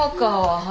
はい！